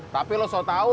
tapi lu so tau